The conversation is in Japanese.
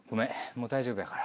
もう大丈夫やから。